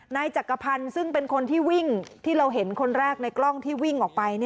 นายจักรพันธ์ซึ่งเป็นคนที่วิ่งที่เราเห็นคนแรกในกล้องที่วิ่งออกไป